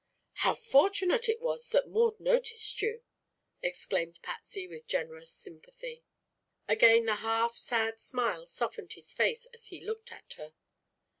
"How fortunate it was that Maud noticed you!" exclaimed Patsy, with generous sympathy. Again the half sad smile softened his face as he looked at her.